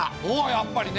やっぱりね。